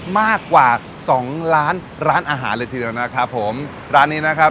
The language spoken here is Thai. มากกว่าสองล้านร้านอาหารเลยทีเดียวนะครับผมร้านนี้นะครับ